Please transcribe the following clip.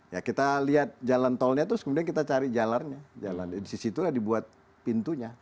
ya kita lihat jalan tolnya terus kemudian kita cari jalannya disitulah dibuat pintunya